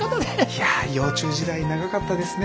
いや幼虫時代長かったですね。